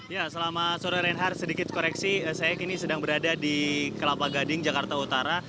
ya selama sore reinhard sedikit koreksi saya kini sedang berada di kelapa gading jakarta utara